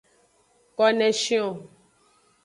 Koneshion.